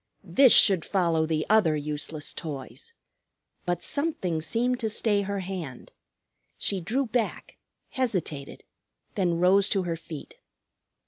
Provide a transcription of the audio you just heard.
This should follow the other useless toys. But something seemed to stay her hand. She drew back, hesitated, then rose to her feet.